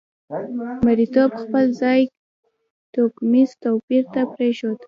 مریتوب خپل ځای توکمیز توپیر ته پرېښود.